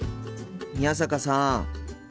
宮坂さん。